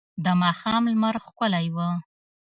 د ماښام لمر ښکلی و.